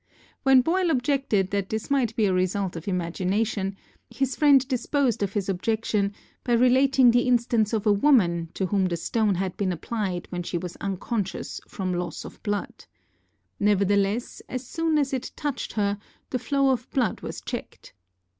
When Boyle objected that this might be a result of imagination, his friend disposed of his objection by relating the instance of a woman to whom the stone had been applied when she was unconscious from loss of blood. Nevertheless, as soon as it touched her, the flow of blood was checked.